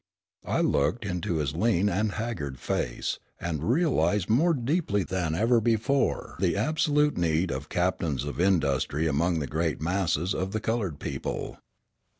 I looked into his lean and haggard face, and realised more deeply than ever before the absolute need of captains of industry among the great masses of the coloured people.